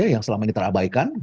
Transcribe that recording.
yang selama ini terabaikan